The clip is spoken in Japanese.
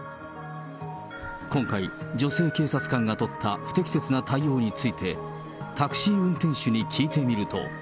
今回、女性警察官が取った不適切な対応について、タクシー運転手に聞いてみると。